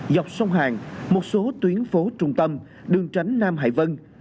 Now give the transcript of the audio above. dọc sông hàng một số tuyến phố trung tâm đường tránh nam hải vân